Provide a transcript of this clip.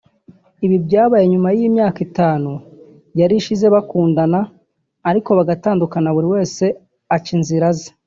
Ibi byabaye nyuma y’imyaka itanu yari ishize bakundana ariko bazagutandukana buri wese aca inzira ze